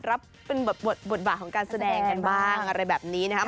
รับเป็นบทบาทของการแสดงกันบ้างอะไรแบบนี้นะครับ